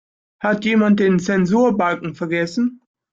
Da hat jemand den Zensurbalken vergessen.